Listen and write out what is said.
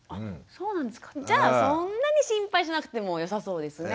じゃあそんなに心配しなくてもよさそうですね。